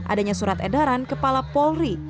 adanya surat edaran kepala polri